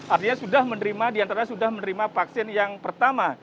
artinya diantaranya sudah menerima vaksin yang pertama